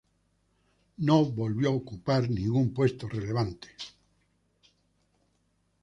No volvió a ocupar ningún puesto relevante.